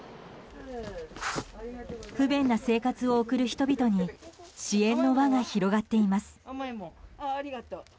不便な生活を送る人々に支援の輪が広がっています。